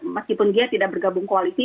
meskipun dia tidak bergabung koalisi